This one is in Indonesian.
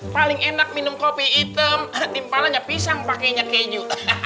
paling enak minum kopi hitam timpalannya pisang pakenya keju